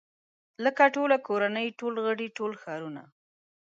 لکه ټوله کورنۍ ټول غړي ټول ښارونه.